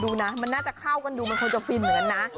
ดูนะมันน่าจะเข้ากันดูมันคงจะฟินเหมือนกันนะ